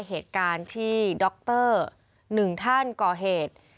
เหตุการณ์ที่ดร๑ท่านก่อเหตุ